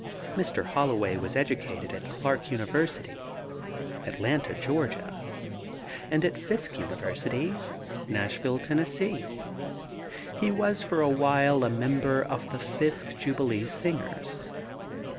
Mr. Holloway was educated at Clark University, Atlanta, Ga., and at Fisk University, Nashville, Tenn. He was for a while a member of the Fisk Jubilee Singers.